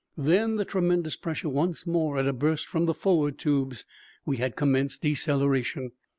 Then the tremendous pressure once more at a burst from the forward tubes. We had commenced deceleration.